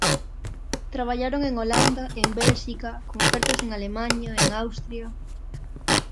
Traballaron en Holanda, en Bélxica, con ofertas en Alemaña, en Austria...